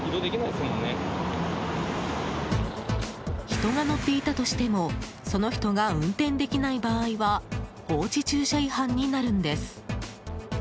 人が乗っていたとしてもその人が運転できない場合は放置駐車違反になるんです。